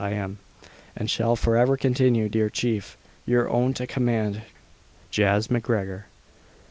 I am, and shall for ever continue, dear Chief, your own to command, Jas. MacGregor.